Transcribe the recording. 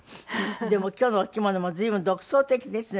でも今日のお着物も随分独創的ですねそれね。